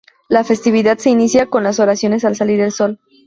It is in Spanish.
La festividad se inicia con las oraciones al salir el Sol.